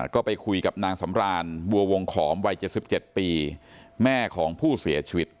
ก็ไปคุยกับนางสำรานบัววงขอมวัย๗๗ปีแม่ของผู้เสียชีวิต